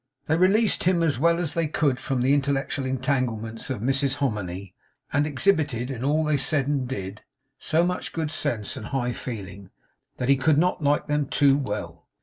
They released him as well as they could from the intellectual entanglements of Mrs Hominy; and exhibited, in all they said and did, so much good sense and high feeling, that he could not like them too well.